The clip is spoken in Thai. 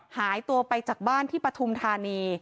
หายตัวไปจากบ้านที่ปฐุมธานี